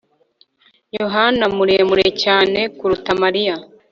Yohana muremure cyane kuruta Mariya